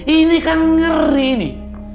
ini kan ngeri ini